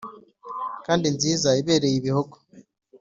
kandi nziza ibereye ibihozo.